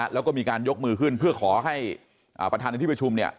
แล้วก็มีการยกมือขึ้นเพื่อขอให้ประธานในที่ประชุม